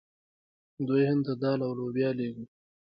دوی هند ته دال او لوبیا لیږي.